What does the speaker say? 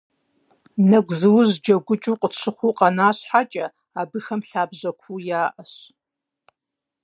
Нэгузыужь джэгукӀэу къытщыхъуу къэна щхьэкӀэ, абыхэм лъабжьэ куу яӀэщ.